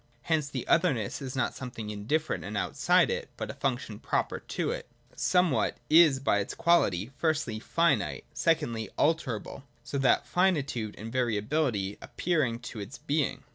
Hence the otherness is not something indifferent and outside it, but a function proper to it. Somewhat is by its quality, — firstly finite, — secondly alterable ; so that finitude and variability appertain to its being.